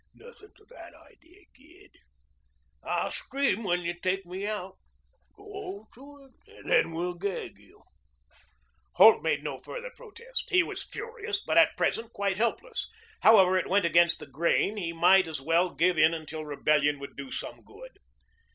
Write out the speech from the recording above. "Nothing to that idee, Gid." "I'll scream when you take me out." "Go to it. Then we'll gag you." Holt made no further protest. He was furious, but at present quite helpless. However it went against the grain, he might as well give in until rebellion would do some good.